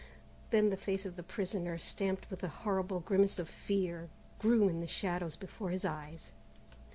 Then the face of the prisoner, stamped with the horrible grimace of fear, grew in the shadows before his eyes.